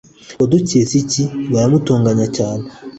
waduketse iki baramutonganya cyane